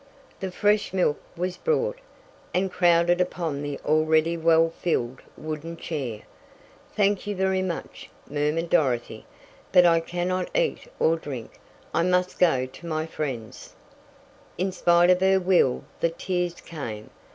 The fresh milk was brought, and crowded upon the already well filled wooden chair. "Thank you very much," murmured Dorothy, "but I cannot eat or drink. I must go to my friends!" In spite of her will the tears came.